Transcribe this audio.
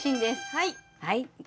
はい。